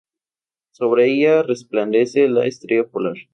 Sobre ella resplandece la estrella polar.